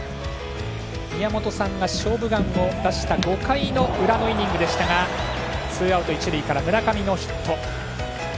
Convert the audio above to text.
宮本さんが「勝負眼」を出した５回の裏のイニングでしたがツーアウト一塁から村上のヒット。